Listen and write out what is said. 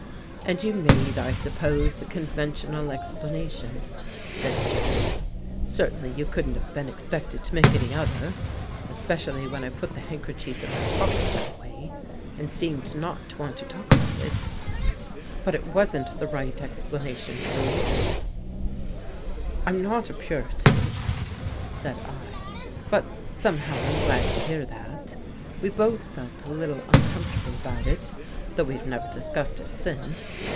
" And you made, I suppose, the conventional ex planation," said Jeffrey. " Certainly you couldn't have been expected to make any other; especially 30 THE UNSEEN VISITOR when I put the handkerchief in my pocket that way and seemed not to want to talk about it. But it wasn't the right explanation, Drew." " I'm not a Puritan," said I, " but, somehow, I'm glad to hear that. We both felt a little uncom fortable about it, though we've never discussed it since.